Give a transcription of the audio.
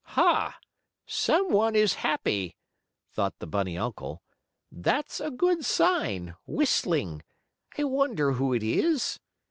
"Ha! Some one is happy!" thought the bunny uncle. "That's a good sign whistling. I wonder who it is?"